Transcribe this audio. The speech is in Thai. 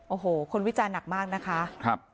โอ้โหคนวิจารณ์หนักมากนะคะ